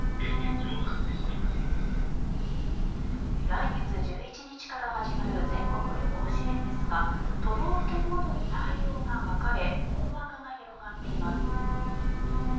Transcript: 来月１１日から始まる全国旅行支援ですが都道府県ごとに対応が分かれ困惑が広がっています。